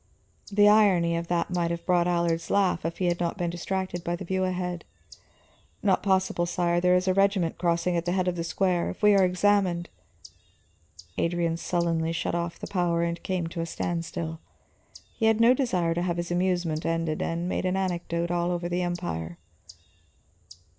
The irony of that might have brought Allard's laugh if he had not been distracted by the view ahead. "Not possible, sire; there is a regiment crossing at the head of the square. If we are examined " Adrian sullenly shut off the power and came to a standstill. He had no desire to have his amusement ended and made an anecdote all over the Empire.